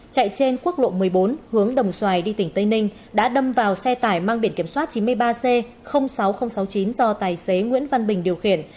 chạy trên quốc lộ một mươi bốn hướng đồng xoài đi tỉnh tây ninh đã đâm vào xe tải mang biển kiểm soát chín mươi ba c sáu nghìn sáu mươi chín do tài xế nguyễn văn bình điều khiển